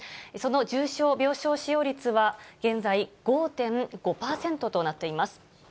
その重症病床使用率は、現在５．５％となっています。